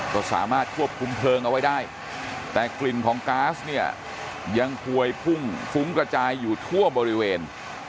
ก็สามารถควบคุมเพลิงเอาไว้ได้แต่กลิ่นของก๊าซเนี่ยยังพวยพุ่งฟุ้งกระจายอยู่ทั่วบริเวณ